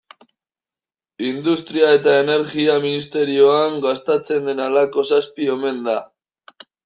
Industria eta Energia ministerioan gastatzen den halako zazpi omen da.